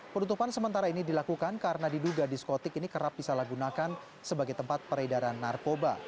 penutupan sementara ini dilakukan karena diduga diskotik ini kerap disalahgunakan sebagai tempat peredaran narkoba